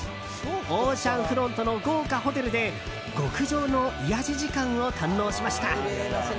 オーシャンフロントの豪華ホテルで極上の癒やし時間を堪能しました。